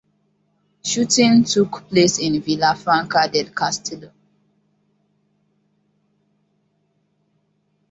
Shooting took place in Villafranca del Castillo.